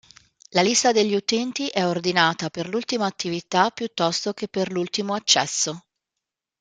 La lista degli utenti è ordinata per l'ultima attività piuttosto che per l'ultimo accesso.